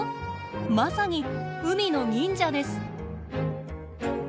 まさに海の忍者です。